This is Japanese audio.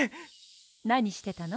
なにしてたの？